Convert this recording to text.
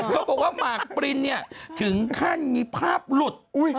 เขาบอกว่าหมากปรินเนี่ยถึงขั้นมีภาพหลุด